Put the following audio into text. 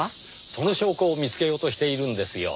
その証拠を見つけようとしているんですよ。